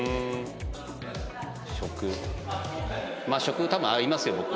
まあ食多分合いますよ